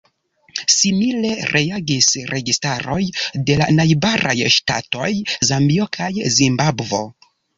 Simile reagis registaroj de la najbaraj ŝtatoj Zambio kaj Zimbabvo.